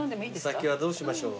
お酒はどうしましょう。